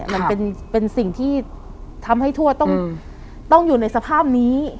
มันเป็นสิ่งที่ทำให้ทวดต้องอยู่ในสภาพนี้